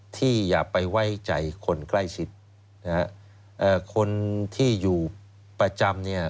ที่อย่าไปไว้ใจคนใกล้ชิดคนที่อยู่ประจำเนี่ย